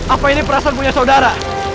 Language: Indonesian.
apa ini perasaan punya saudara